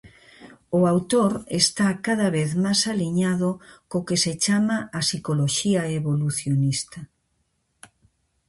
O autor está cada vez máis aliñado co que se chama a Psicoloxía Evolucionista.